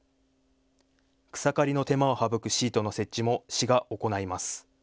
草刈りの手間を省くシートの設置も市が行います。